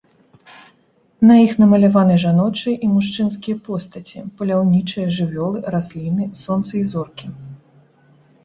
На іх намаляваны жаночыя і мужчынскія постаці, паляўнічыя, жывёлы, расліны, сонца і зоркі.